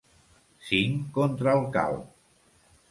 Cinc contra el calb.